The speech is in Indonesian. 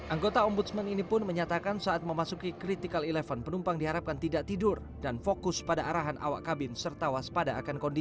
anggota ombudsman ini pun menyatakan saat memasuki critical sebelas penumpang diharapkan tidak tidur dan fokus pada arahan awak kabin serta waspada akan kondisi